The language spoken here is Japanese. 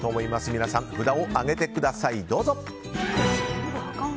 皆さん、札を上げてください。